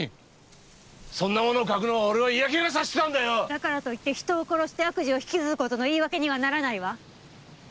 だからといって人を殺して悪事を引き継ぐ事の言い訳にはならないわ。